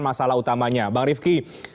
masalah utamanya bang rifki